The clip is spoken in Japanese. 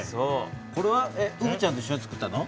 これはうぶちゃんと一しょにつくったの？